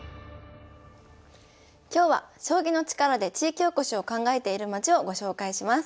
今日は将棋の力で地域おこしを考えている町をご紹介します。